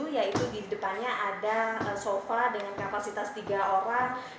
yaitu di depannya ada sofa dengan kapasitas tiga orang